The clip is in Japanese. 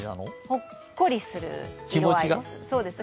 ほっこりする色合いです。